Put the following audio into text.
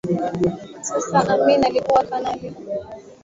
Sasa Amin alikuwa kanali na Mkuu waJeshi